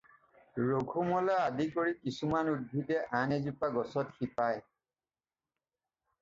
ৰঘুমলা আদি কৰি কিছুমান উদ্ভিদে আন এজোপা গছত শিপায়